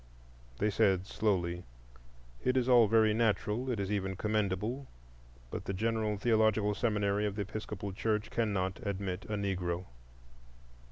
They said slowly, "It is all very natural—it is even commendable; but the General Theological Seminary of the Episcopal Church cannot admit a Negro."